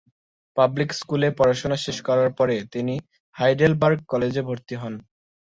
Public স্কুলে পড়াশোনা শেষ করার পরে তিনি হাইডেলবার্গ কলেজে ভর্তি হন।